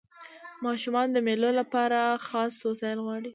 ماشومان د مېلو له پاره خاص وسایل غواړي.